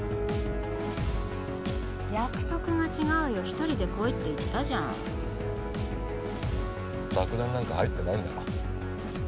約束が違うよ一人で来いって言ったじゃん爆弾なんか入ってないんだろ？